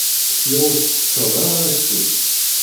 Sliɣ ur tettetteḍ ara aksum.